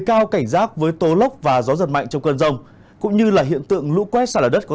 cao cảnh rác với tố lốc và gió giật mạnh trong cơn rong cũng như hiện tượng lũ quét xả lở đất có